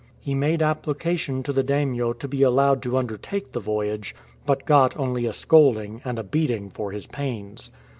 He made application to the daimio to be allowed to undertake the voyage, but got only a scolding and a beating for his pains.